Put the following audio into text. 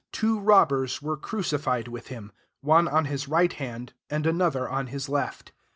n two robbers were crucified with him : one on Aia right haod, and another on At* left.